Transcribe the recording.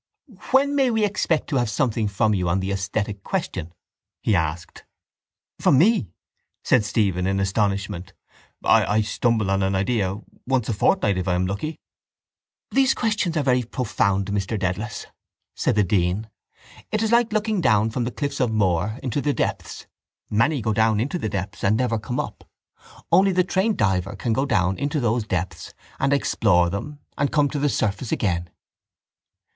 —When may we expect to have something from you on the esthetic question? he asked. —From me! said Stephen in astonishment. I stumble on an idea once a fortnight if I am lucky. —These questions are very profound, Mr Dedalus, said the dean. It is like looking down from the cliffs of Moher into the depths. Many go down into the depths and never come up. Only the trained diver can go down into those depths and explore them and come to the surface again.